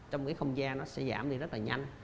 trong cái không gian nó sẽ giảm đi rất là nhanh